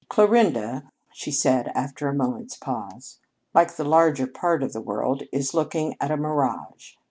"Clarinda," she said, after a moment's pause, "like the larger part of the world, is looking at a mirage.